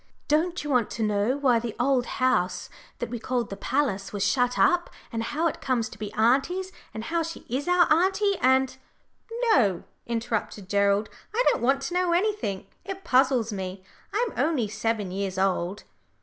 "Don't you want to know why the Old House that we called the palace was shut up, and how it comes to be auntie's, and how she is our auntie, and " "No," interrupted Gerald. "I don't want to know anything. It puzzles me. I'm only seven years old."